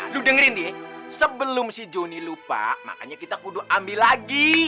aduh dengerin nih sebelum si jonny lupa makanya kita kudu ambil lagi